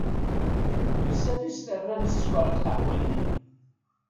Bezzaf i s-terra n sskeṛ i lqahwa-nni.